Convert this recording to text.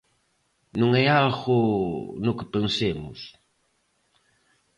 Non é algo no que pensemos.